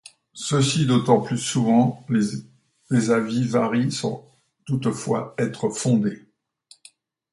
Ceci d'autant plus que souvent les avis varient sans toutefois être fondés.